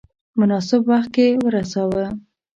مناسب وخت کې ورساوه.